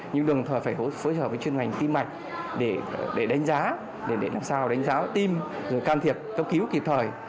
nhưng đồng thời phải phối hợp với chuyên ngành tim mạch để đánh giá để làm sao đánh giá tim rồi can thiệp cấp cứu kịp thời